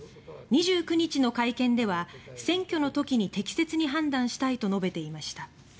２９日の会見では選挙のときに適切に判断したいと述べていました。